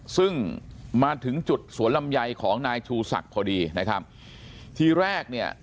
ซึ่งมาถึงจุดสวนลำไยของนายชูศักดิ์พอดีนะครับทีแรกเนี่ย